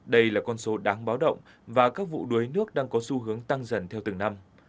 đây là con số đáng báo động và các vụ đuối nước đang có xu hướng tăng dần theo từng năm